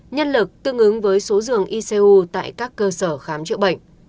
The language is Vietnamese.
nhân lực tương ứng với số giường icu tại các cơ sở khám chữa bệnh